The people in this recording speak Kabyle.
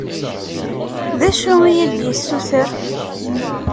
D acu i yi-d-yessuter?